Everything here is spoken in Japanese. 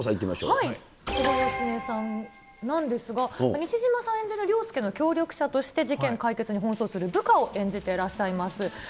こちら、芳根さんなんですが、西島さん演じる凌介の協力者として事件解決に奔走する部下を演じていらっしゃいます。